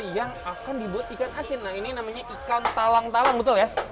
ada juga yang besar yang akan dibuat ikan asin nah ini namanya ikan talang talang betul ya